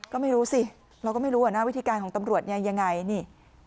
ก็ไม่รู้สิเราก็ไม่รู้อ่ะนะวิธีการของตำรวจเนี่ยยังไงนี่